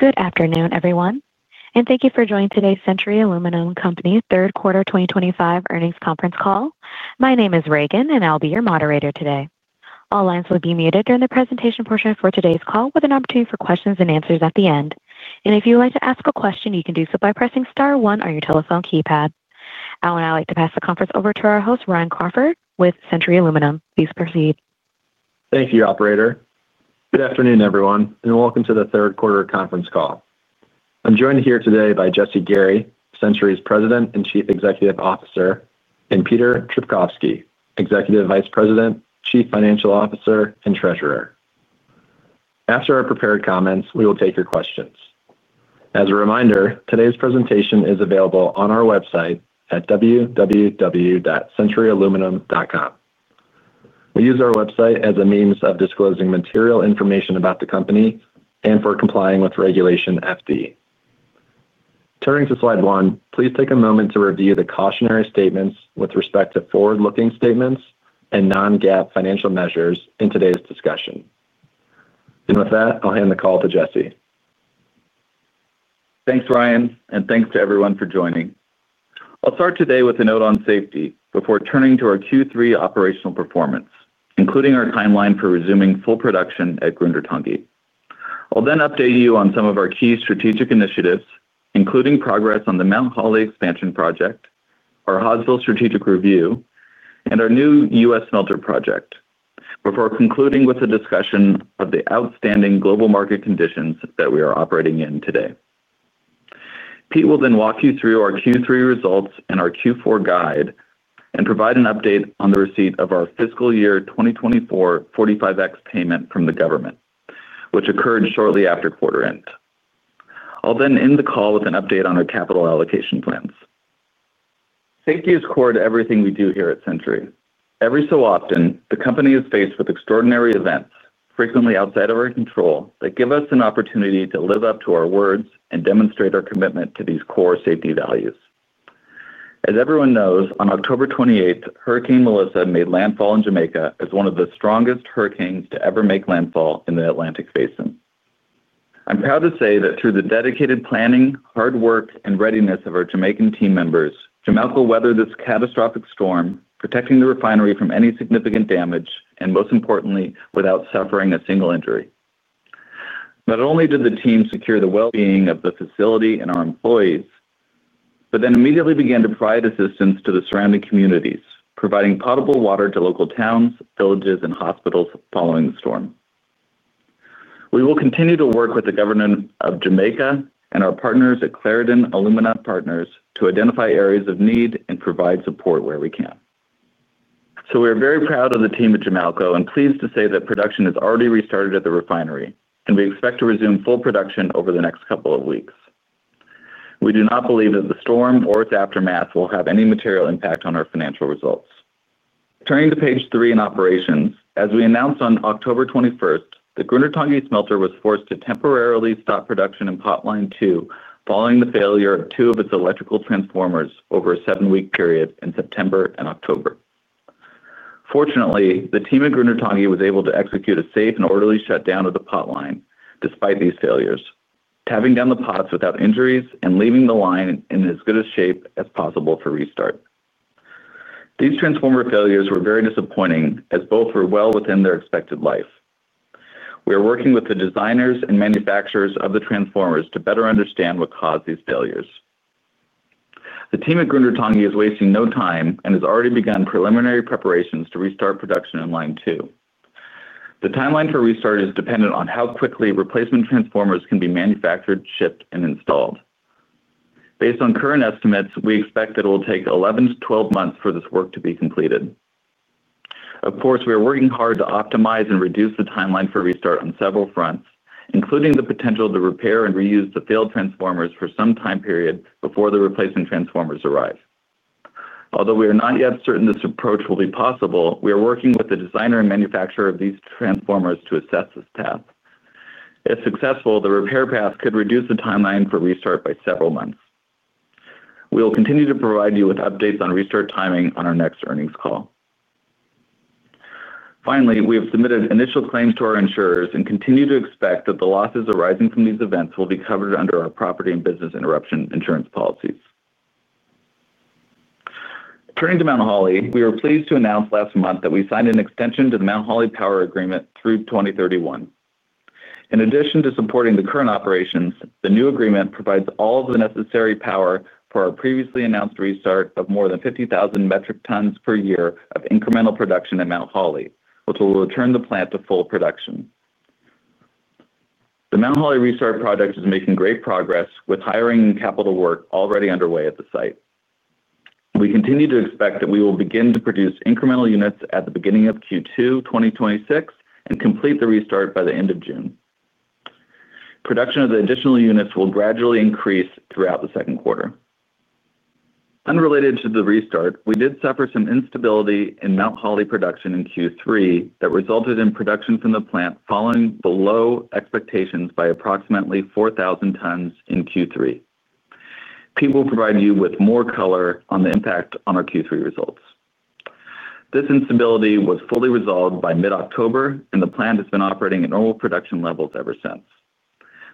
Good afternoon, everyone, and thank you for joining today's Century Aluminum Company Third Quarter 2025 Earnings Conference Call. My name is Reagan, and I'll be your moderator today. All lines will be muted during the presentation portion for today's call, with an opportunity for questions and answers at the end. If you would like to ask a question, you can do so by pressing star one on your telephone keypad. I will now like to pass the conference over to our host, Ryan Crawford, with Century Aluminum. Please proceed. Thank you, Operator. Good afternoon, everyone, and welcome to the Third Quarter Conference Call. I'm joined here today by Jesse Gary, Century's President and Chief Executive Officer, and Peter Trpkovski, Executive Vice President, Chief Financial Officer, and Treasurer. After our prepared comments, we will take your questions. As a reminder, today's presentation is available on our website at www.centuryaluminum.com. We use our website as a means of disclosing material information about the company and for complying with Regulation FD. Turning to Slide one, please take a moment to review the cautionary statements with respect to Forward-Looking Statements and Non-GAAP Financial Measures in today's discussion. With that, I'll hand the call to Jesse. Thanks, Ryan, and thanks to everyone for joining. I'll start today with a note on safety before turning to our Q3 operational performance, including our timeline for resuming full production at Grundartangi. I'll then update you on some of our key strategic initiatives, including progress on the Mount Holly expansion project, our Hawesville strategic review, and our new U.S. Filter Project, before concluding with a discussion of the outstanding global market conditions that we are operating in today. Pete will then walk you through our Q3 results and our Q4 guide and provide an update on the receipt of our Fiscal Year 2024 45X payment from the government, which occurred shortly after quarter end. I'll then end the call with an update on our capital allocation plans. Safety is core to everything we do here at Century. Every so often, the company is faced with extraordinary events, frequently outside of our control, that give us an opportunity to live up to our words and demonstrate our commitment to these core safety values. As everyone knows, on October 28, Hurricane Melissa made landfall in Jamaica as one of the strongest hurricanes to ever make landfall in the Atlantic Basin. I'm proud to say that through the dedicated planning, hard work, and readiness of our Jamaican team members, Jamaica weathered this catastrophic storm, protecting the refinery from any significant damage and, most importantly, without suffering a single injury. Not only did the team secure the well-being of the facility and our employees, but then immediately began to provide assistance to the surrounding communities, providing potable water to local towns, villages, and hospitals following the storm. We will continue to work with the government of Jamaica and our partners at Clarendon Alumina Partners to identify areas of need and provide support where we can. We are very proud of the team at Jamalco and pleased to say that production has already restarted at the refinery, and we expect to resume full production over the next couple of weeks. We do not believe that the storm or its aftermath will have any material impact on our financial results. Turning to page three in Operations, as we announced on October 21, the Grundartangi Smelter was forced to temporarily stop production in Potline two following the failure of two of its electrical transformers over a seven-week period in September and October. Fortunately, the team at Grundartangi was able to execute a safe and orderly shutdown of the Potline despite these failures, tapping down the pots without injuries and leaving the line in as good a shape as possible for restart. These transformer failures were very disappointing as both were well within their expected life. We are working with the designers and manufacturers of the transformers to better understand what caused these failures. The team at Grundartangi is wasting no time and has already begun preliminary preparations to restart production in line two. The timeline for restart is dependent on how quickly replacement transformers can be manufactured, shipped, and installed. Based on current estimates, we expect that it will take 11-12 months for this work to be completed. Of course, we are working hard to optimize and reduce the timeline for restart on several fronts, including the potential to repair and reuse the failed transformers for some time period before the replacement transformers arrive. Although we are not yet certain this approach will be possible, we are working with the designer and manufacturer of these transformers to assess this path. If successful, the repair path could reduce the timeline for restart by several months. We will continue to provide you with updates on restart timing on our Next Earnings Call. Finally, we have submitted initial claims to our insurers and continue to expect that the losses arising from these events will be covered under our property and business interruption insurance policies. Turning to Mount Holly, we are pleased to announce last month that we signed an extension to the Mount Holly Power Agreement through 2031. In addition to supporting the current operations, the new agreement provides all of the necessary power for our previously announced restart of more than 50,000 metric tons per year of incremental production at Mount Holly, which will return the plant to full production. The Mount Holly Restart Project is making great progress with hiring and capital work already underway at the site. We continue to expect that we will begin to produce incremental units at the beginning of Q2 2026 and complete the restart by the end of June. Production of the additional units will gradually increase throughout the second quarter. Unrelated to the restart, we did suffer some instability in Mount Holly production in Q3 that resulted in production from the plant falling below expectations by approximately 4,000 tons in Q3. Pete will provide you with more color on the impact on our Q3 results. This instability was fully resolved by mid-October, and the plant has been operating at normal production levels ever since.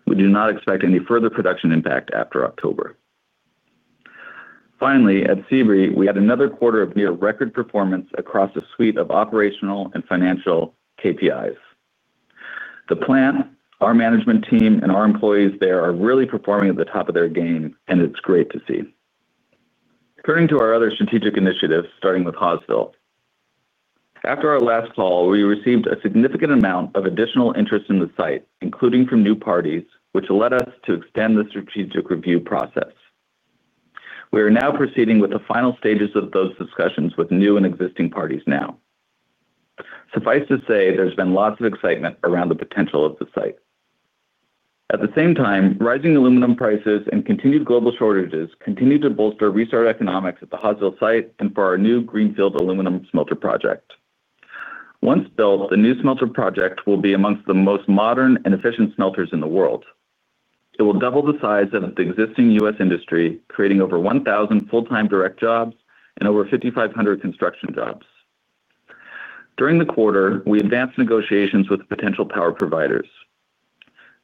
We do not expect any further production impact after October. Finally, at Sebree, we had another quarter of near record performance across a suite of operational and financial KPIs. The plant, our management team, and our employees there are really performing at the top of their game, and it's great to see. Turning to our other strategic initiatives, starting with Hawesville. After our last call, we received a significant amount of additional interest in the site, including from new parties, which led us to extend the Strategic Review Process. We are now proceeding with the final stages of those discussions with new and existing parties now. Suffice to say, there's been lots of excitement around the potential of the site. At the same time, rising aluminum prices and continued global shortages continue to bolster restart economics at the Hawesville site and for our new Greenfield Aluminum Smelter Project. Once built, the New Smelter Project will be amongst the most modern and efficient smelters in the world. It will double the size of the existing U.S. industry, creating over 1,000 full-time direct jobs and over 5,500 construction jobs. During the quarter, we advanced negotiations with potential power providers.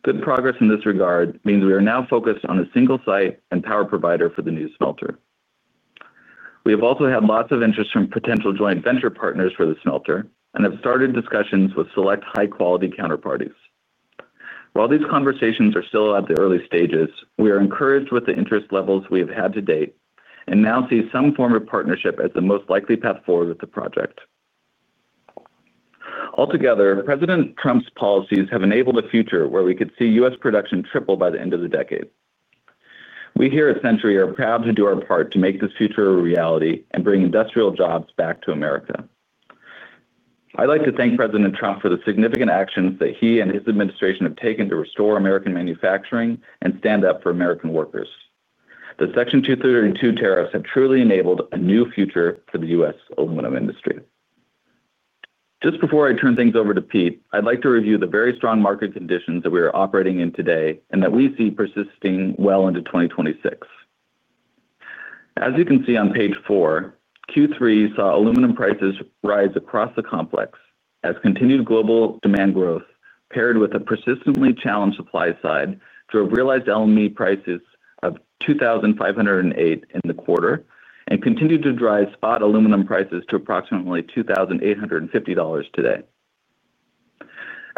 Good progress in this regard means we are now focused on a single site and power provider for the new smelter. We have also had lots of interest from potential joint venture partners for the smelter and have started discussions with select high-quality counterparties. While these conversations are still at the early stages, we are encouraged with the interest levels we have had to date and now see some form of partnership as the most likely path forward with the project. Altogether, President Trump's policies have enabled a future where we could see U.S. production triple by the end of the decade. We here at Century are proud to do our part to make this future a reality and bring industrial jobs back to America. I'd like to thank President Trump for the significant actions that he and his administration have taken to restore American manufacturing and stand up for American workers. The Section 232 Tariffs have truly enabled a new future for the U.S. aluminum industry. Just before I turn things over to Pete, I'd like to review the very strong market conditions that we are operating in today and that we see persisting well into 2026. As you can see on page four, Q3 saw aluminum prices rise across the complex as continued global demand growth, paired with a persistently challenged supply side, drove realized LME prices of $2,508 in the quarter and continued to drive spot aluminum prices to approximately $2,850 today.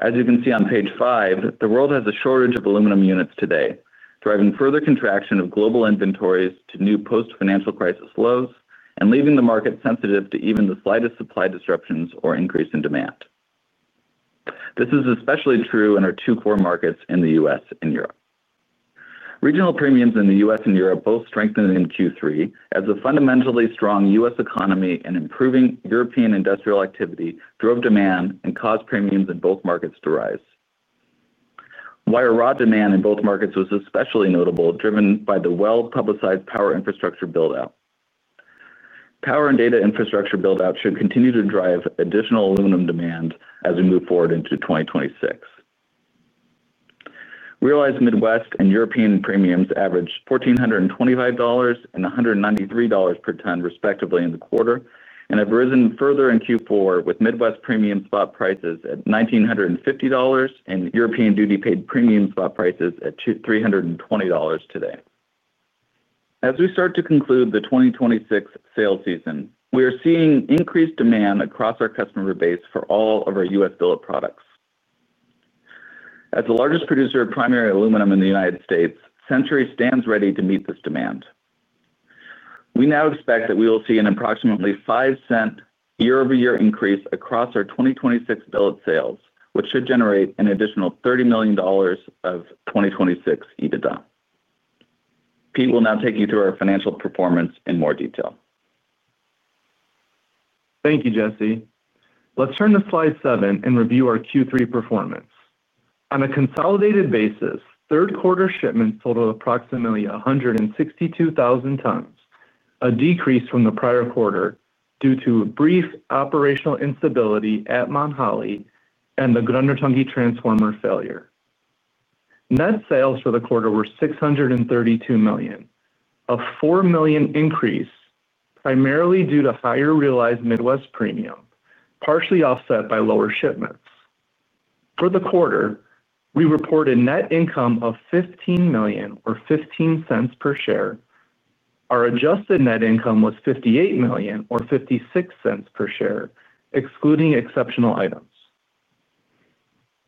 As you can see on page five, the world has a shortage of aluminum units today, driving further contraction of global inventories to new Post-Financial Crisis lows and leaving the market sensitive to even the slightest supply disruptions or increase in demand. This is especially true in our two core markets in the U.S. and Europe. Regional premiums in the U.S. and Europe both strengthened in Q3 as the fundamentally strong U.S. economy and improving European industrial activity drove demand and caused premiums in both markets to rise. While raw demand in both markets was especially notable, driven by the well-publicized Power Infrastructure Buildout. Power and data infrastructure buildout should continue to drive additional aluminum demand as we move forward into 2026. Realized Midwest and European premiums averaged $1,425 and $193 per ton, respectively, in the quarter and have risen further in Q4 with Midwest premium spot prices at $1,950 and European duty-paid premium spot prices at $320 today. As we start to conclude the 2026 Sales Season, we are seeing increased demand across our customer base for all of our U.S. billet products. As the largest producer of primary aluminum in the United States, Century stands ready to meet this demand. We now expect that we will see an approximately $0.05 year-over-year increase across our 2026 bill of sales, which should generate an additional $30 million of 2026 EBITDA. Pete will now take you through our financial performance in more detail. Thank you, Jesse. Let's turn to slide seven and review our Q3 performance. On a consolidated basis, third-quarter shipments totaled approximately 162,000 tons, a decrease from the prior quarter due to a brief operational instability at Mount Holly and the Grundartangi transformer failure. Net sales for the quarter were $632 million, a $4 million increase primarily due to higher realized Midwest premium, partially offset by lower shipments. For the quarter, we reported net income of $15 million, or $0.15 per share. Our adjusted net income was $58 million, or $0.56 per share, excluding exceptional items.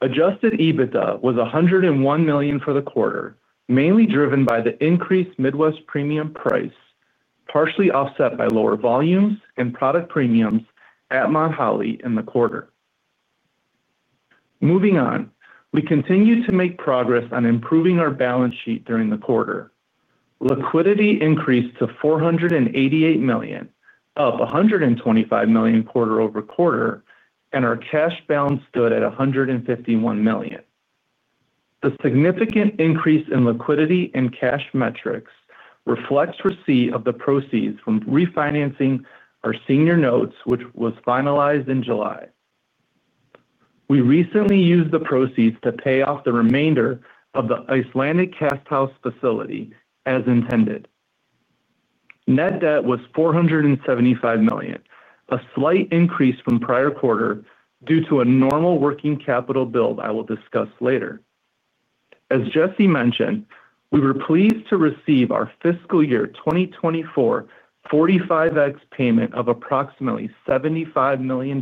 Adjusted EBITDA was $101 million for the quarter, mainly driven by the increased Midwest premium price, partially offset by lower volumes and product premiums at Mount Holly in the quarter. Moving on, we continue to make progress on improving our balance sheet during the quarter. Liquidity increased to $488 million, up $125 million quarter over quarter, and our cash balance stood at $151 million. The significant increase in liquidity and cash metrics reflects receipt of the proceeds from refinancing our senior notes, which was finalized in July. We recently used the proceeds to pay off the remainder of the Icelandic cast house facility as intended. Net debt was $475 million, a slight increase from prior quarter due to a normal working capital build I will discuss later. As Jesse mentioned, we were pleased to receive our Fiscal Year 2024 45X payment of approximately $75 million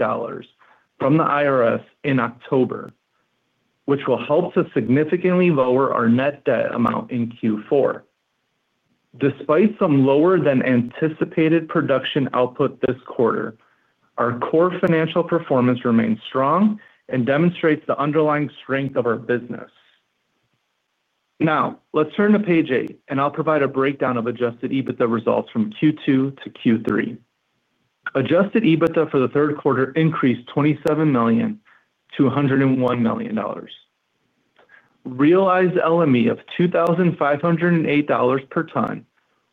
from the IRS in October, which will help to significantly lower our net debt amount in Q4. Despite some lower-than-anticipated production output this quarter, our core financial performance remains strong and demonstrates the underlying strength of our business. Now, let's turn to page eight, and I'll provide a breakdown of adjusted EBITDA results from Q2 to Q3. Adjusted EBITDA for the third quarter increased $27 million to $101 million. Realized LME of $2,508 per ton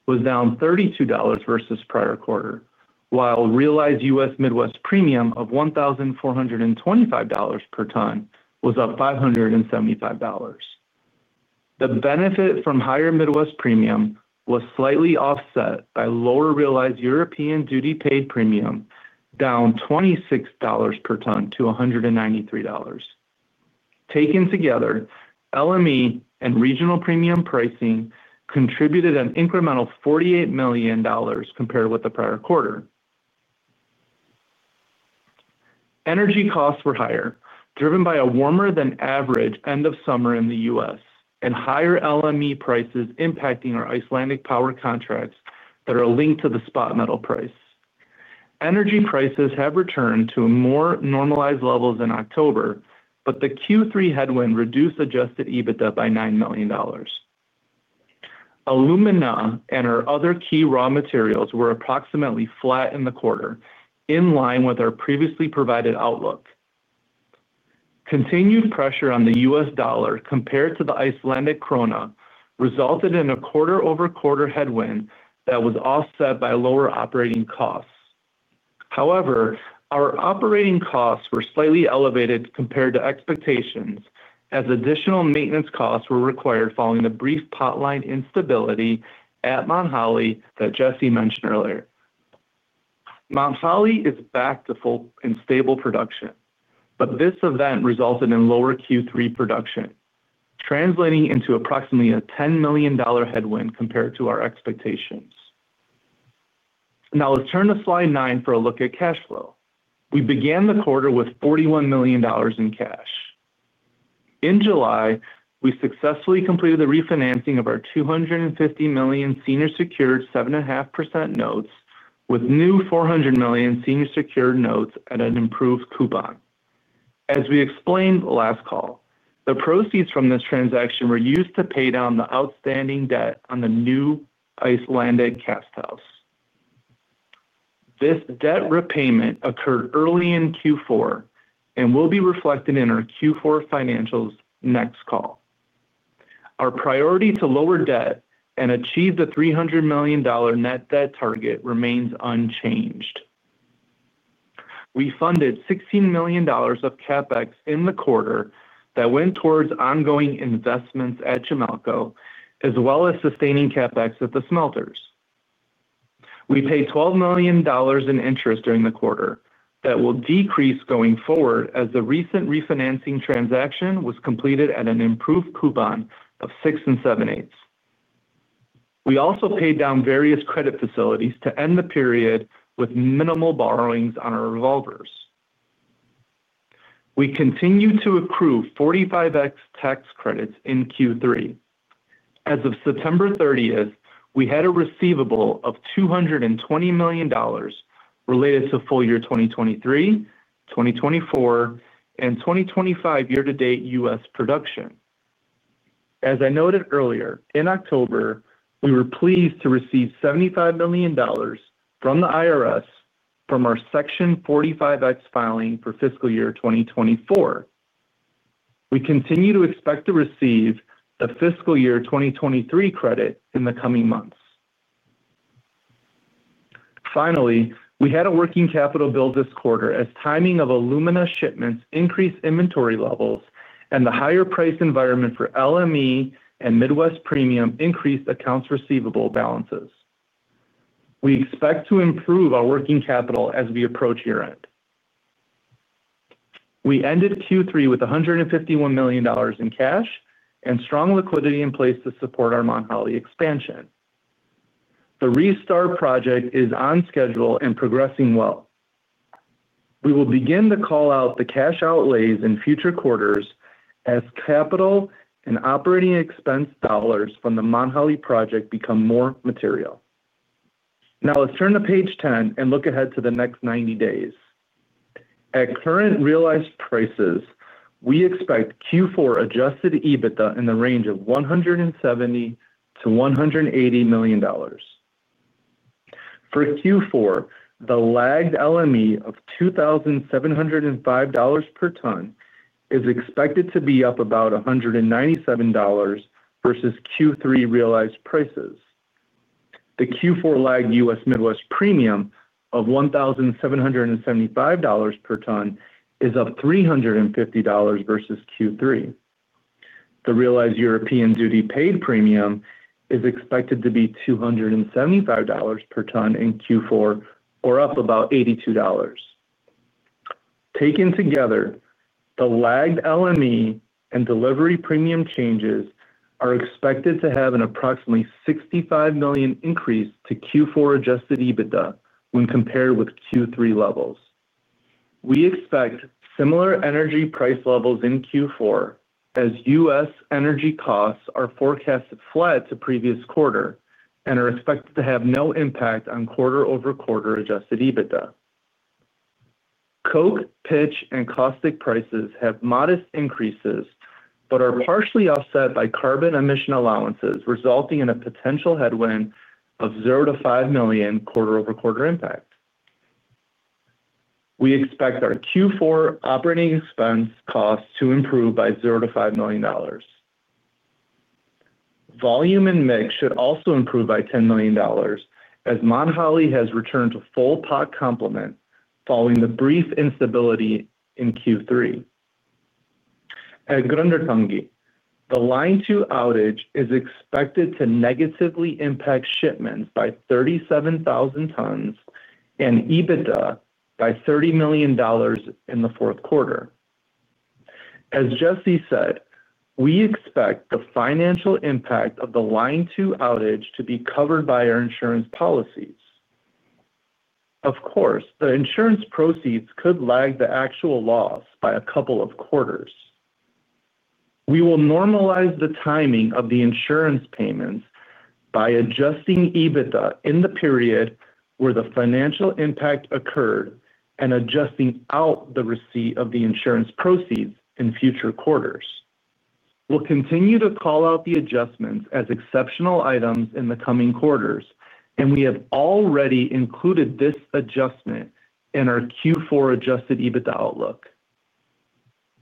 was down $32 versus prior quarter, while realized U.S. Midwest Premium of $1,425 per ton was up $575. The benefit from higher Midwest premium was slightly offset by lower realized European Duty-Paid Premium, down $26 per ton to $193. Taken together, LME and regional premium pricing contributed an incremental $48 million compared with the prior quarter. Energy costs were higher, driven by a warmer-than-average end of summer in the US and higher LME prices impacting our Icelandic power contracts that are linked to the spot metal price. Energy prices have returned to more normalized levels in October, but the Q3 headwind reduced adjusted EBITDA by $9 million. Alumina and our other key raw materials were approximately flat in the quarter, in line with our previously provided outlook. Continued pressure on the U.S. Dollar compared to the Icelandic krona resulted in a quarter-over-quarter headwind that was offset by lower operating costs. However, our operating costs were slightly elevated compared to expectations as additional maintenance costs were required following the brief Potline instability at Mount Holly that Jesse mentioned earlier. Mount Holly is back to full and stable production, but this event resulted in lower Q3 production, translating into approximately a $10 million headwind compared to our expectations. Now, let's turn to slide nine for a look at cash flow. We began the quarter with $41 million in cash. In July, we successfully completed the refinancing of our $250 million senior secured 7.5% notes with new $400 million senior secured notes at an improved coupon. As we explained last call, the proceeds from this transaction were used to pay down the outstanding debt on the New Icelandic Cast House. This debt repayment occurred early in Q4 and will be reflected in our Q4 financials next call. Our priority to lower debt and achieve the $300 million net debt target remains unchanged. We funded $16 million of CapEx in the quarter that went towards ongoing investments at Jamalco, as well as sustaining CapEx at the smelters. We paid $12 million in interest during the quarter that will decrease going forward as the recent refinancing transaction was completed at an improved coupon of 6 and 7/8. We also paid down various credit facilities to end the period with minimal borrowings on our revolvers. We continue to accrue 45X tax credits in Q3. As of September 30th, we had a receivable of $220 million. Related to full year 2023, 2024, and 2025 year-to-date U.S. production. As I noted earlier, in October, we were pleased to receive $75 million from the IRS from our Section 45X filing for Fiscal Year 2024. We continue to expect to receive the Fiscal Year 2023 credit in the coming months. Finally, we had a working capital build this quarter as timing of alumina shipments increased inventory levels and the higher price environment for LME and Midwest premium increased accounts receivable balances. We expect to improve our working capital as we approach year-end. We ended Q3 with $151 million in cash and strong liquidity in place to support our Mount Holly expansion. The Restart Project is on schedule and progressing well. We will begin to call out the cash outlays in future quarters as capital and operating expense dollars from the Mount Holly project become more material. Now, let's turn to page 10 and look ahead to the next 90 days. At current realized prices, we expect Q4 adjusted EBITDA in the range of $170-$180 million. For Q4, the lagged LME of $2,705 per ton is expected to be up about $197 versus Q3 realized prices. The Q4 lagged U.S. Midwest premium of $1,775 per ton is up $350 versus Q3. The realized European duty-paid premium is expected to be $275 per ton in Q4, or up about $82. Taken together, the lagged LME and delivery premium changes are expected to have an approximately $65 million increase to Q4 adjusted EBITDA when compared with Q3 levels. We expect similar energy price levels in Q4 as U.S. energy costs are forecast flat to previous quarter and are expected to have no impact on quarter-over-quarter adjusted EBITDA. Coke, pitch, and caustic prices have modest increases but are partially offset by carbon emission allowances, resulting in a potential headwind of $0-$5 million quarter-over-quarter impact. We expect our Q4 operating expense costs to improve by $0-$5 million. Volume and mix should also improve by $10 million as Mount Holly has returned to full pot complement following the brief instability in Q3. At Grundartangi, the line two outage is expected to negatively impact shipments by 37,000 tons and EBITDA by $30 million in the fourth quarter. As Jesse said, we expect the financial impact of the line two outage to be covered by our insurance policies. Of course, the insurance proceeds could lag the actual loss by a couple of quarters. We will normalize the timing of the insurance payments by adjusting EBITDA in the period where the financial impact occurred and adjusting out the receipt of the insurance proceeds in future quarters. We'll continue to call out the adjustments as exceptional items in the coming quarters, and we have already included this adjustment in our Q4 adjusted EBITDA outlook.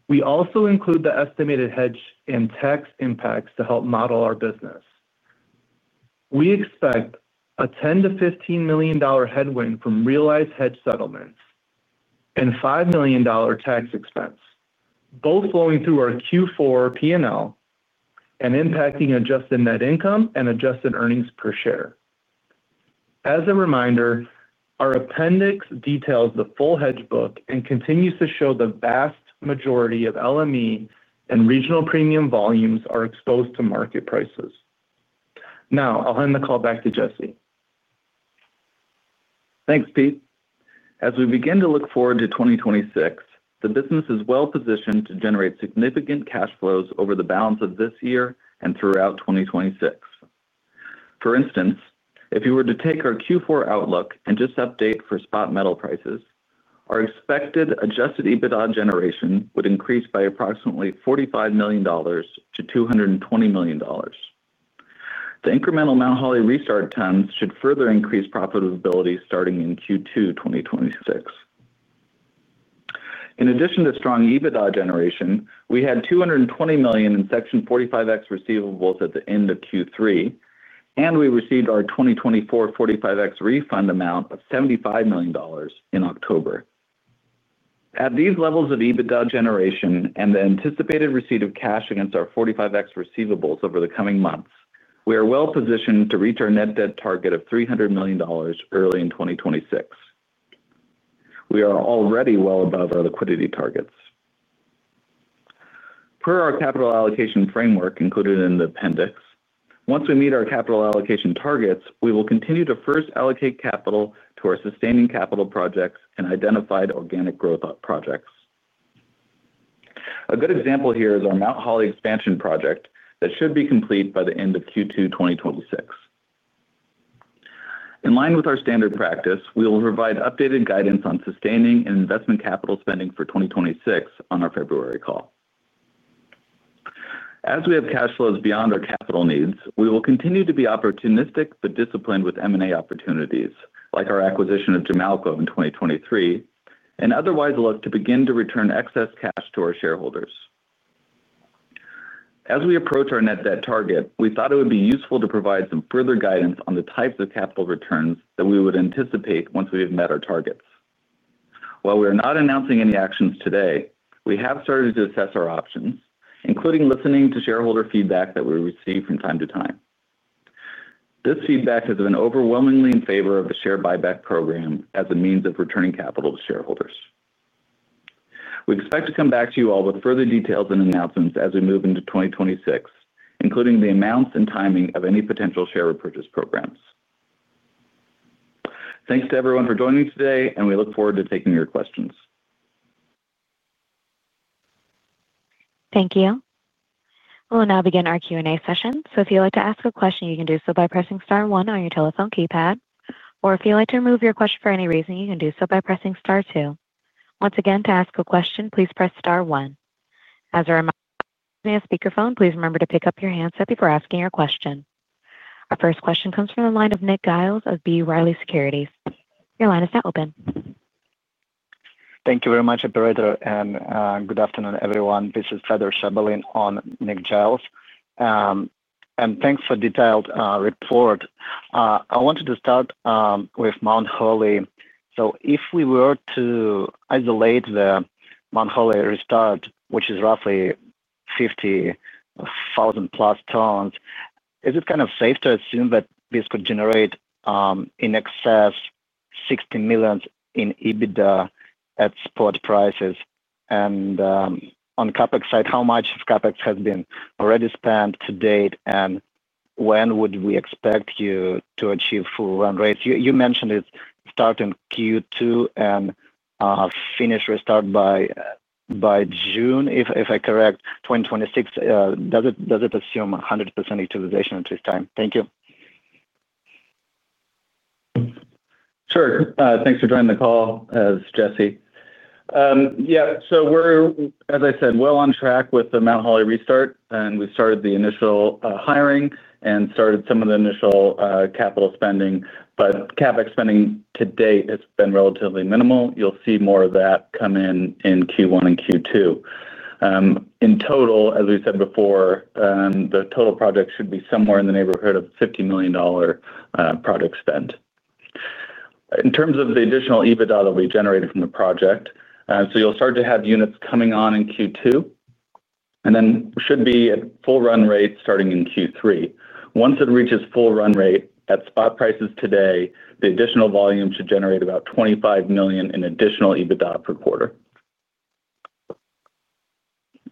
We also include the estimated hedge and tax impacts to help model our business. We expect a $10-$15 million headwind from realized hedge settlements and $5 million tax expense, both flowing through our Q4 P&L and impacting adjusted net income and adjusted earnings per share. As a reminder, our appendix details the full hedge book and continues to show the vast majority of LME and regional premium volumes are exposed to market prices. Now, I'll hand the call back to Jesse. Thanks, Pete. As we begin to look forward to 2026, the business is well positioned to generate significant cash flows over the balance of this year and throughout 2026. For instance, if you were to take our Q4 outlook and just update for spot metal prices, our expected adjusted EBITDA generation would increase by approximately $45 million to $220 million. The incremental Mount Holly Restart tons should further increase profitability starting in Q2 2026. In addition to strong EBITDA generation, we had $220 million in Section 45X receivables at the end of Q3, and we received our 2024 45X refund amount of $75 million in October. At these levels of EBITDA generation and the anticipated receipt of cash against our 45X receivables over the coming months, we are well positioned to reach our net debt target of $300 million early in 2026. We are already well above our liquidity targets. Per our Capital Allocation Framework included in the appendix, once we meet our capital allocation targets, we will continue to first allocate capital to our Sustaining Capital Projects and identified Organic Growth Projects. A good example here is our Mount Holly expansion project that should be complete by the end of Q2 2026. In line with our standard practice, we will provide updated guidance on sustaining and investment capital spending for 2026 on our February call. As we have cash flows beyond our capital needs, we will continue to be opportunistic but disciplined with M&A opportunities, like our acquisition of Jamalco in 2023, and otherwise look to begin to return excess cash to our shareholders. As we approach our net debt target, we thought it would be useful to provide some further guidance on the types of capital returns that we would anticipate once we have met our targets. While we are not announcing any actions today, we have started to assess our options, including listening to shareholder feedback that we receive from time to time. This feedback has been overwhelmingly in favor of the Share Buyback Program as a means of returning capital to shareholders. We expect to come back to you all with further details and announcements as we move into 2026, including the amounts and timing of any potential Share Repurchase Programs. Thanks to everyone for joining today, and we look forward to taking your questions. Thank you. We will now begin our Q&A Session. If you'd like to ask a question, you can do so by pressing Star 1 on your telephone keypad. If you'd like to remove your question for any reason, you can do so by pressing Star 2. Once again, to ask a question, please press Star 1. As a reminder, this is a speakerphone. Please remember to pick up your handset before asking your question. Our first question comes from the line of Nick Giles of B. Riley Securities. Your line is now open. Thank you very much, Operator, and good afternoon, everyone. This is Fedor Shaabalin on Nick Giles. Thanks for the detailed report. I wanted to start with Mount Holly. If we were to isolate the Mount Holly Restart, which is roughly 50,000-plus tons, is it kind of safe to assume that this could generate in excess of $60 million in EBITDA at spot prices? On the CapEx Side, how much of CapEx has been already spent to date, and when would we expect you to achieve full run rates? You mentioned it is starting Q2 and finish Restart by June, if I am correct, 2026. Does it assume 100% utilization at this time? Thank you. Sure. Thanks for joining the call, as Jesse. Yeah. We're, as I said, well on track with the Mount Holly Restart, and we started the initial hiring and started some of the initial capital spending. CapEx spending to date has been relatively minimal. You'll see more of that come in in Q1 and Q2. In total, as we said before, the total project should be somewhere in the neighborhood of $50 million project spend. In terms of the additional EBITDA that we generated from the project, you'll start to have units coming on in Q2. Then should be at full run rate starting in Q3. Once it reaches full run rate at spot prices today, the additional volume should generate about $25 million in additional EBITDA per quarter.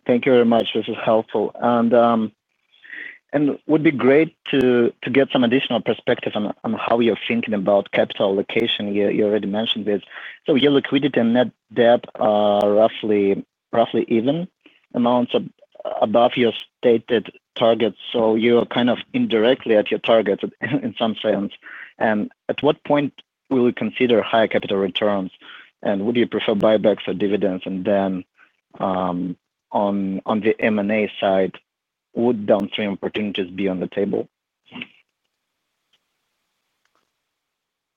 Thank you very much. This is helpful. It would be great to get some additional perspective on how you're thinking about capital allocation. You already mentioned this. Your liquidity and net debt are roughly even amounts above your stated targets. You're kind of indirectly at your targets in some sense. At what point will we consider higher capital returns? Would you prefer buybacks or dividends? On the M&A side, would downstream opportunities be on the table?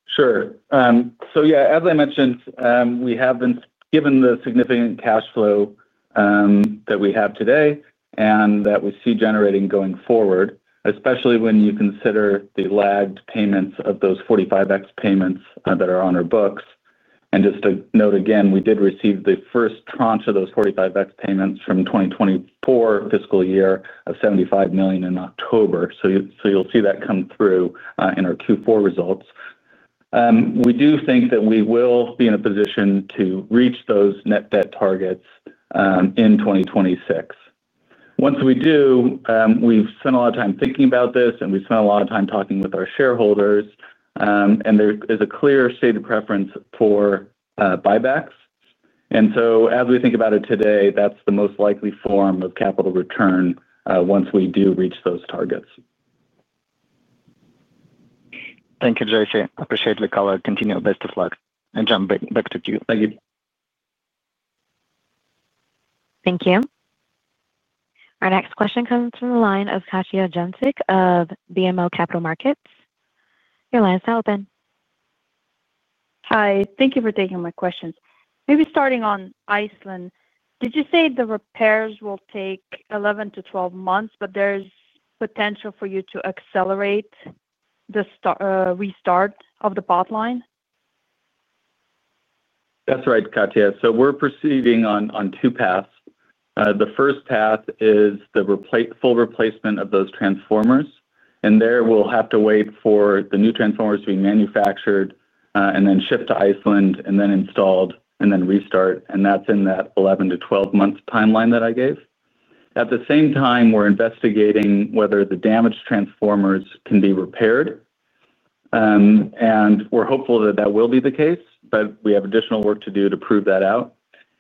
Sure. Yeah, as I mentioned, we have been given the significant cash flow that we have today and that we see generating going forward, especially when you consider the lagged payments of those 45X payments that are on our books. Just to note again, we did receive the first tranche of those 45X payments from the 2024 Fiscal Year of $75 million in October. You will see that come through in our Q4 results. We do think that we will be in a position to reach those net debt targets in 2026. Once we do, we have spent a lot of time thinking about this, and we spent a lot of time talking with our shareholders. There is a clear stated preference for buybacks. As we think about it today, that is the most likely form of capital return once we do reach those targets. Thank you, Jesse. Appreciate the call. Continue your best of luck. And Jon, back to you. Thank you. Thank you. Our next question comes from the line of Katja Jancic of BMO Capital Markets. Your line is now open. Hi. Thank you for taking my questions. Maybe starting on Iceland, did you say the repairs will take 11 to 12 months, but there's potential for you to accelerate the restart of the pot line? That's right, Katja. We're proceeding on two paths. The first path is the full replacement of those transformers. There we'll have to wait for the new transformers to be manufactured and then shipped to Iceland, and then installed, and then restart. That's in that 11-12 months timeline that I gave. At the same time, we're investigating whether the damaged transformers can be repaired. We're hopeful that will be the case, but we have additional work to do to prove that out.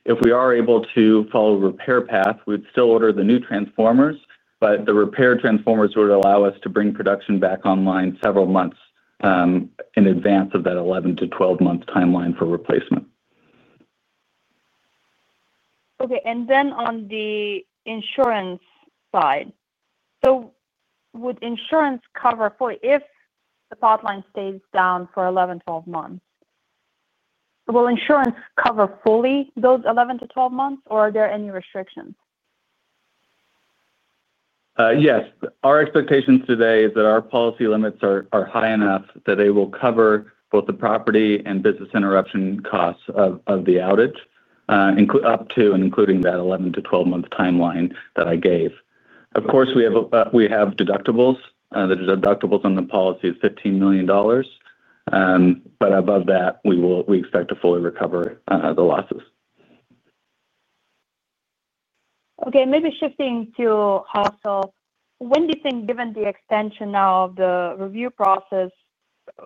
If we are able to follow a repair path, we'd still order the new transformers, but the repaired transformers would allow us to bring production back online several months in advance of that 11-12 months timeline for replacement. Okay. On the insurance side, would insurance cover fully if the Potline stays down for 11-12 months? Will insurance cover fully those 11-12 months, or are there any restrictions? Yes. Our expectations today is that our Policy Limits are high enough that they will cover both the property and business interruption costs of the outage. Up to and including that 11-12 months timeline that I gave. Of course, we have deductibles. The deductibles on the policy is $15 million. Above that, we expect to fully recover the losses. Okay. Maybe shifting to Hawesville. When do you think, given the extension of the review process,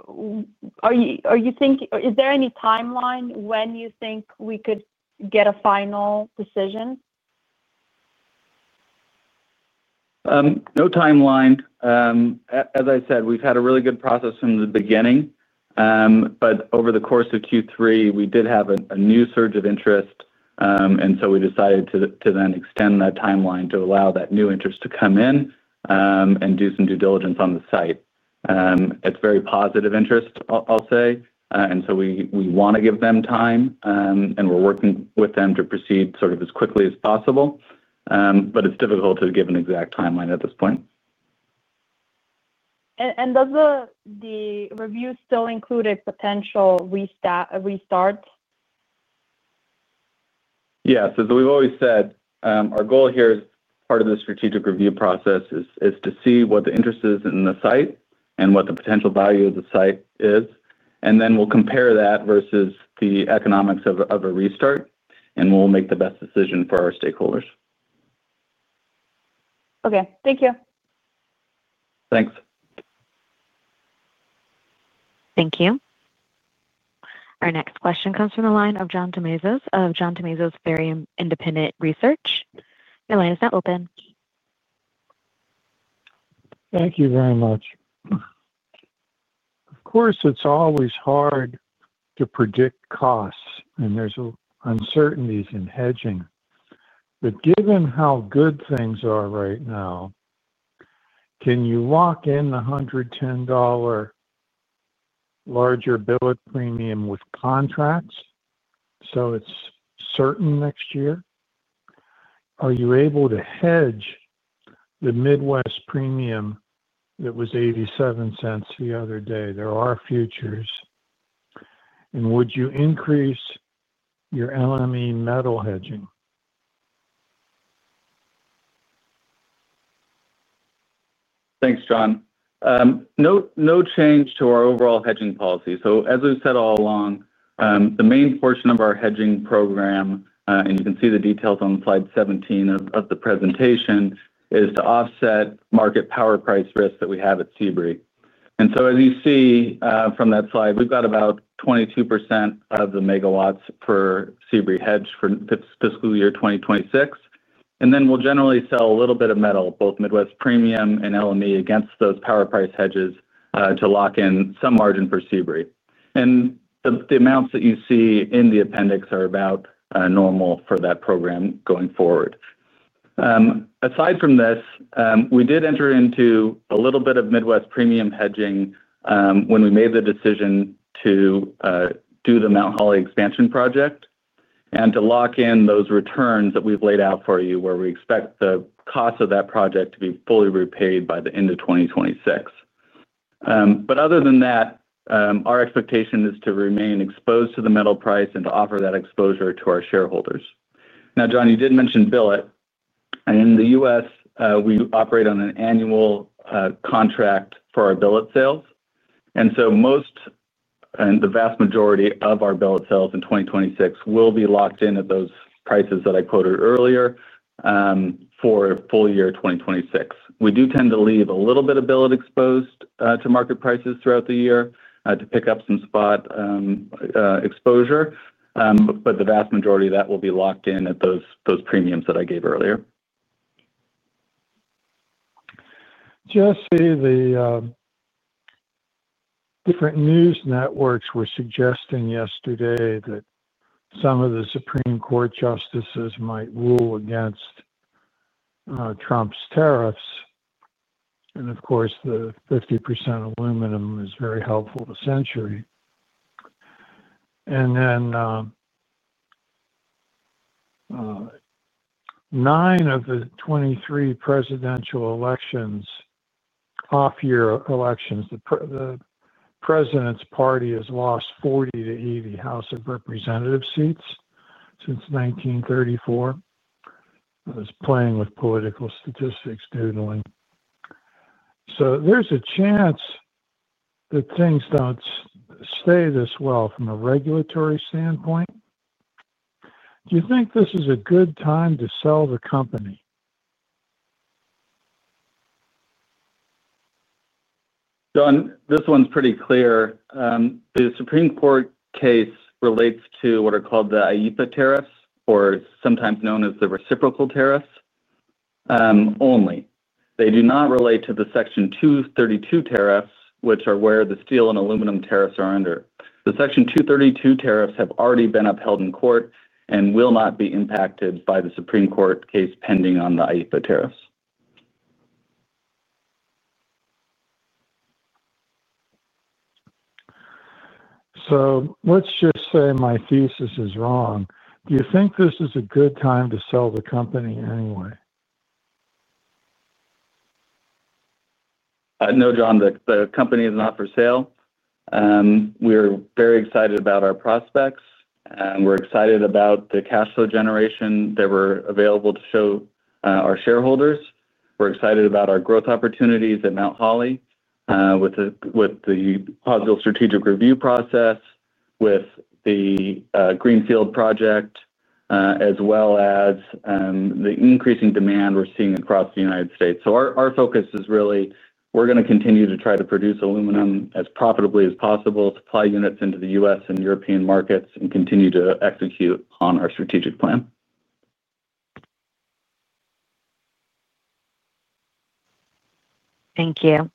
is there any timeline when you think we could get a final decision? No timeline. As I said, we've had a really good process from the beginning. Over the course of Q3, we did have a new surge of interest. We decided to then extend that timeline to allow that new interest to come in and do some due diligence on the site. It's very positive interest, I'll say. We want to give them time, and we're working with them to proceed sort of as quickly as possible. It's difficult to give an exact timeline at this point. Does the review still include a potential restart? Yes. As we've always said, our goal here as part of the Strategic Review Process is to see what the interest is in the site and what the potential value of the site is. We will compare that versus the economics of a restart, and we'll make the best decision for our stakeholders. Okay. Thank you. Thanks. Thank you. Our next question comes from the line of John Tumazos of John Tumazos Very Independent Research. Your line is now open. Thank you very much. Of course, it's always hard to predict costs, and there's uncertainties in hedging. Given how good things are right now, can you lock in the $110 larger billet premium with contracts so it's certain next year? Are you able to hedge the Midwest premium that was $0.87 the other day? There are futures. Would you increase your LME metal hedging? Thanks, Jon. No change to our overall hedging policy. As we have said all along, the main portion of our hedging program, and you can see the details on slide 17 of the presentation, is to offset market power price risk that we have at Sebree. As you see from that slide, we have about 22% of the megawatts for Sebree hedged for Fiscal Year 2026. We will generally sell a little bit of metal, both Midwest premium and LME, against those power price hedges to lock in some margin for Sebree. The amounts that you see in the appendix are about normal for that program going forward. Aside from this, we did enter into a little bit of Midwest premium hedging when we made the decision to. Do the Mount Holly expansion project and to lock in those returns that we've laid out for you, where we expect the cost of that project to be fully repaid by the end of 2026. Other than that, our expectation is to remain exposed to the metal price and to offer that exposure to our shareholders. Now, Jon, you did mention billet. In the U.S., we operate on an annual contract for our billet sales. The vast majority of our billet sales in 2026 will be locked in at those prices that I quoted earlier for a Full Year 2026. We do tend to leave a little bit of billet exposed to market prices throughout the year to pick up some spot exposure, but the vast majority of that will be locked in at those premiums that I gave earlier. Jesse, the different news networks were suggesting yesterday that some of the Supreme Court justices might rule against Trump's tariffs. Of course, the 50% aluminum is very helpful to Century. Nine of the 23 presidential elections, off-year elections, the president's party has lost 40-80 House of Representatives seats since 1934. I was playing with political statistics, doodling. There is a chance that things do not stay this well from a regulatory standpoint. Do you think this is a good time to sell the company? Jon, this one's pretty clear. The Supreme Court case relates to what are called the IEFA tariffs, or sometimes known as the reciprocal tariffs. Only. They do not relate to the Section 232 tariffs, which are where the steel and aluminum tariffs are under. The Section 232 tariffs have already been upheld in court and will not be impacted by the Supreme Court case pending on the IEEPA tariffs. Let's just say my thesis is wrong. Do you think this is a good time to sell the company anyway? No, Jon. The company is not for sale. We're very excited about our prospects. We're excited about the cash flow generation that we're available to show our shareholders. We're excited about our growth opportunities at Mount Holly with the positive strategic review process, with the Greenfield project, as well as the increasing demand we're seeing across the United States. Our focus is really we're going to continue to try to produce aluminum as profitably as possible, supply units into the U.S. and European markets, and continue to execute on our strategic plan. Thank you.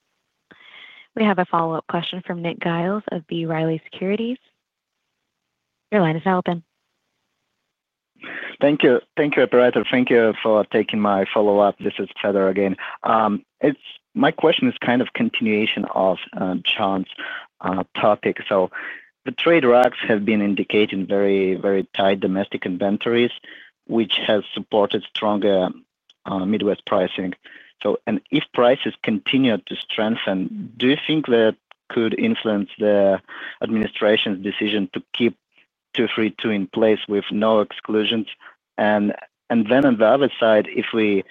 We have a follow-up question from Nick Giles of B. Riley Securities. Your line is now open. Thank you, Operator. Thank you for taking my follow-up. This is Fedor again. My question is kind of a continuation of John's topic. The trade rags have been indicating very, very tight domestic inventories, which has supported stronger Midwest pricing. If prices continue to strengthen, do you think that could influence the administration's decision to keep Section 232 in place with no exclusions? On the other side, if we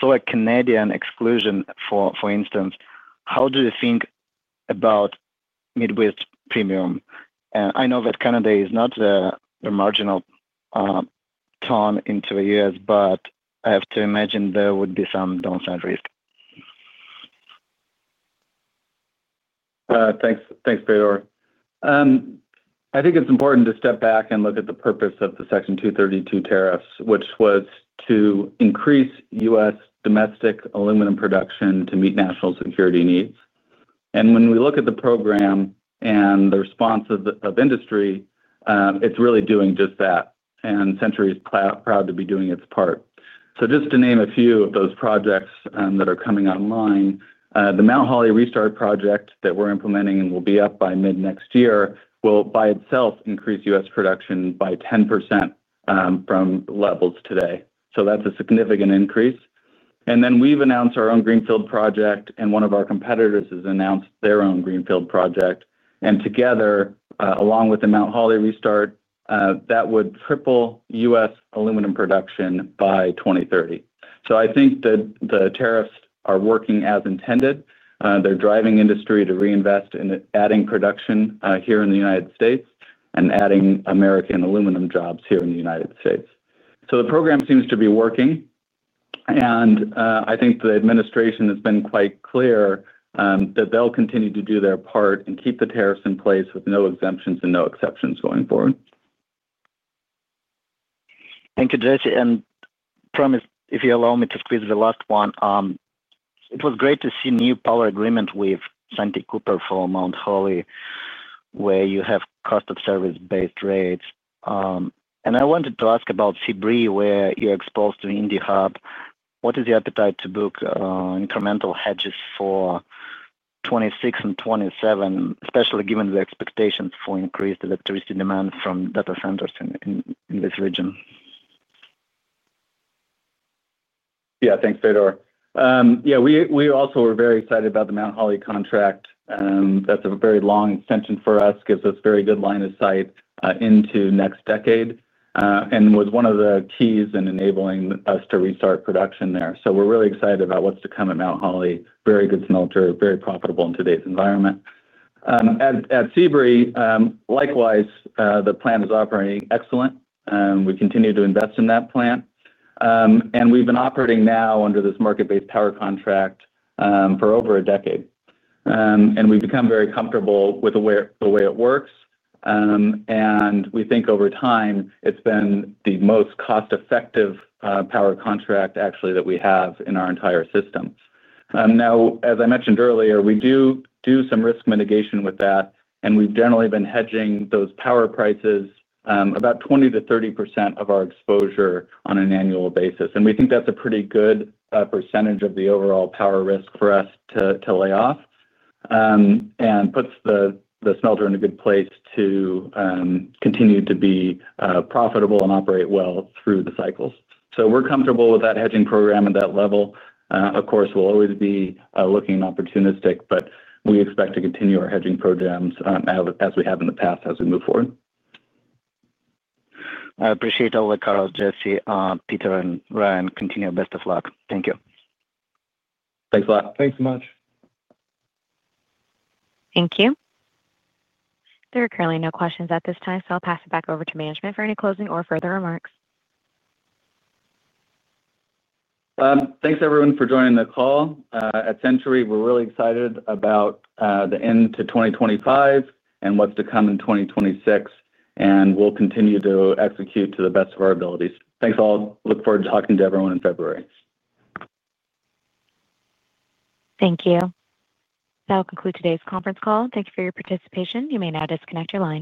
saw a Canadian exclusion, for instance, how do you think about Midwest premium? I know that Canada is not a marginal ton into the U.S., but I have to imagine there would be some downside risk. Thanks, Fedor. I think it's important to step back and look at the purpose of the Section 232 Tariffs, which was to increase U.S. domestic aluminum production to meet national security needs. When we look at the program and the response of industry, it's really doing just that. Century is proud to be doing its part. Just to name a few of those projects that are coming online, the Mount Holly Restart project that we're implementing and will be up by mid-next year will by itself increase U.S. production by 10% from levels today. That's a significant increase. We've announced our own Greenfield project, and one of our competitors has announced their own Greenfield Project. Together, along with the Mount Holly Restart, that would triple U.S. aluminum production by 2030. I think that the tariffs are working as intended. They're driving industry to reinvest in adding production here in the United States and adding American aluminum jobs here in the United States. The program seems to be working. I think the administration has been quite clear that they'll continue to do their part and keep the tariffs in place with no exemptions and no exceptions going forward. Thank you, Jesse. If you allow me to squeeze the last one. It was great to see new power agreement with Santee Cooper for Mount Holly, where you have cost of service-based rates. I wanted to ask about Sebree, where you're exposed to Indie Hub. What is the appetite to book incremental hedges for 2026 and 2027, especially given the expectations for increased electricity demand from data centers in this region? Yeah, thanks, Fedor. Yeah, we also were very excited about the Mount Holly contract. That's a very long extension for us, gives us a very good line of sight into next decade, and was one of the keys in enabling us to restart production there. We're really excited about what's to come at Mount Holly. Very good smelter, very profitable in today's environment. At Sebree, likewise, the plant is operating excellent. We continue to invest in that plant. We've been operating now under this market-based power contract for over a decade. We've become very comfortable with the way it works. We think over time, it's been the most cost-effective power contract, actually, that we have in our entire system. Now, as I mentioned earlier, we do do some risk mitigation with that, and we've generally been hedging those power prices about 20-30% of our exposure on an annual basis. We think that's a pretty good percentage of the overall power risk for us to lay off. It puts the smelter in a good place to continue to be profitable and operate well through the cycles. We're comfortable with that hedging program at that level. Of course, we'll always be looking opportunistic, but we expect to continue our hedging programs as we have in the past as we move forward. I appreciate all the calls, Jesse, Peter, and Ryan. Continue your best of luck. Thank you. Thanks a lot. Thanks so much. Thank you. There are currently no questions at this time, so I'll pass it back over to management for any closing or further remarks. Thanks, everyone, for joining the call. At Century, we're really excited about the end to 2025 and what's to come in 2026. We'll continue to execute to the best of our abilities. Thanks, all. Look forward to talking to everyone in February. Thank you. That will conclude today's conference call. Thank you for your participation. You may now disconnect the line.